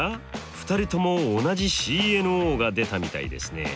２人とも同じＣＮＯが出たみたいですね。